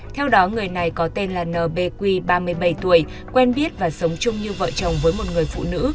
theo đó người này có tên là n b qui ba mươi bảy tuổi quen biết và sống chung như vợ chồng với một người phụ nữ